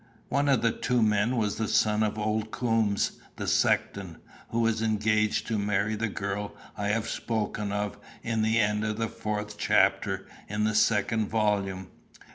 One of the two men was the son of old Coombes, the sexton, who was engaged to marry the girl I have spoken of in the end of the fourth chapter in the second volume.